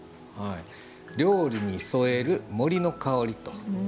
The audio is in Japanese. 「料理に添える森の香り」と。